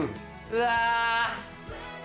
うわ。